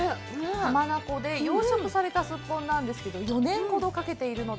浜名湖で養殖されたすっぽんなんですけど、４年ほどかけて。